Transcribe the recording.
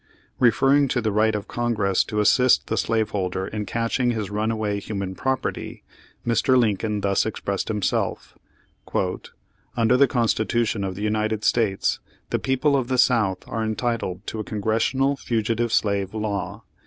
Referring to the right of Congress to assist the slave holder in catching his runaway human prop erty, Mr. Lincoln thus expressed himself: "Under the constitution of the United States, the people of the South are entitled to a Congressional Fugitive Slave Law.